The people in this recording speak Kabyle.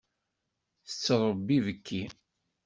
Tettṛebbi ibekki.